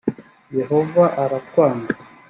yehova aratwanga